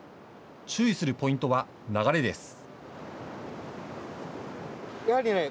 注意するポイントは流れです。